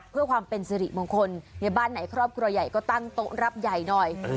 เพื่อความเป็นสิริมงคลในบ้านไหนครอบครัวใหญ่ก็ตั้งโต๊ะรับใหญ่หน่อย